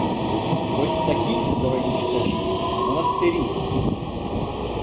Ось такі, дорогі читачі, монастирі!